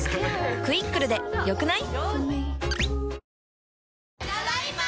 「クイックル」で良くない？